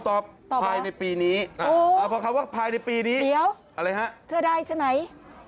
ตอบแล้วอ๋อพอคำว่าภายในปีนี้อะไรฮะเชื่อได้ใช่ไหม